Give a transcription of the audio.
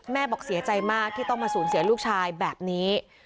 บอกเสียใจมากที่ต้องมาสูญเสียลูกชายแบบนี้